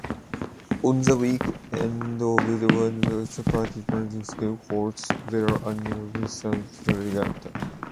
On the week end of whitsuntide Petite Martinique holds their annual Whitsuntide Regatta.